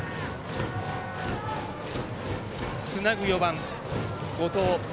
つなぐ４番、後藤。